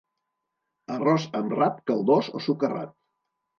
Arròs amb rap, caldós o socarrat.